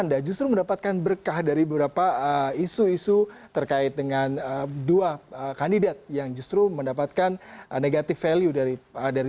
kamu itu muridnya seperti sakit tanpa karakter